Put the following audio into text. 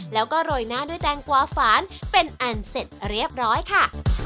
แล้วก็โรยหน้าด้วยแตงกวาฝานเป็นอันเสร็จเรียบร้อยค่ะ